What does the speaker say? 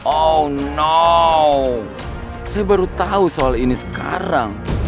oh now saya baru tahu soal ini sekarang